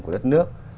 của đất nước